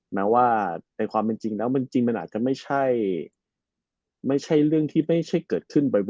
แม้ว่าในความเป็นจริงแล้วมันจริงมันอาจจะไม่ใช่เรื่องที่ไม่ใช่เกิดขึ้นบ่อย